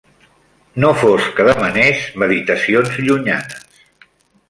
No fos que demanés meditacions llunyanes.